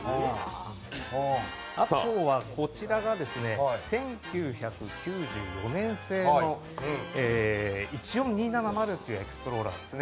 あとはこちらが１９９４年生の１４２７０というエクスプローラーです